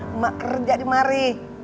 emak kerja di mari